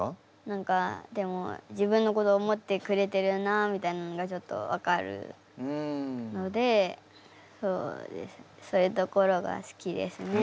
何かでも自分のこと思ってくれてるなみたいなのがちょっとわかるのでそういうところが好きですね。